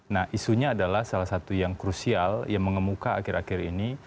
nah isunya adalah salah satu yang krusial yang mengemuka akhir akhir ini